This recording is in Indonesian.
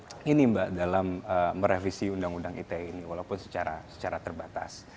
pertama pemerintah sudah membuktikan atau memperlihatkan keseriusannya dalam merevisi undang undang ite ini walaupun secara terbatas